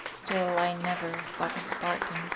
Still I never thought of Barton."